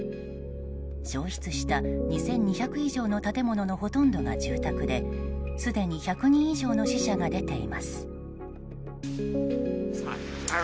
焼失した２２００以上の建物のほとんどが住宅ですでに１００人以上の死者が出ています。